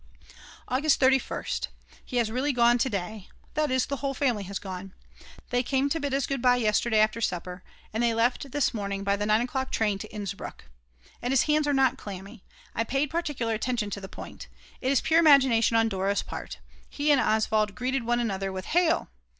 August 31st. He has really gone to day, that is, the whole family has gone. They came to bid us goodbye yesterday after supper, and they left this morning by the 9 o'clock train to Innsbruck. And his hands are not clammy, I paid particular attention to the point; it is pure imagination on Dora's part. He and Oswald greeted one another with Hail!